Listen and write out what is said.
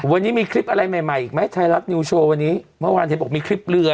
วันนี้มีคลิปอะไรใหม่ใหม่อีกไหมไทยรัฐนิวโชว์วันนี้เมื่อวานเห็นบอกมีคลิปเรือ